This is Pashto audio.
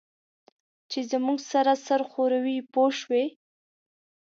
چې زموږ سره سر ښوروي پوه شوې!.